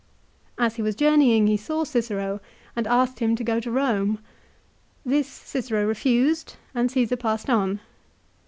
As he was setat. 58. j ourne ying he saw Cicero, and asked him to go to Eome. This Cicero refused, and Caesar passed on.